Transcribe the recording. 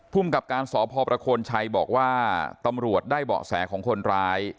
กับการสพประโคนชัยบอกว่าตำรวจได้เบาะแสของคนร้าย